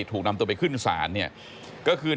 ถูกนำตัวไปขึ้นสานก็คืน